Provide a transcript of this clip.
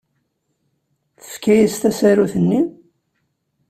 Tefka-as tasarut-nni.